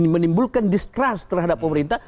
menimbulkan distrust terhadap pemerintah